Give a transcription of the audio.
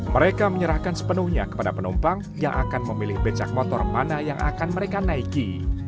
mereka menyerahkan sepenuhnya kepada penumpang yang akan memilih becak motor mana yang akan mereka naiki